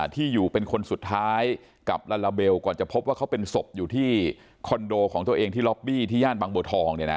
ที่อยู่เป็นคนสุดท้ายกับลาลาเบลก่อนจะพบว่าเขาเป็นศพอยู่ที่คอนโดของตัวเองที่ล็อบบี้ที่ย่านบางบัวทอง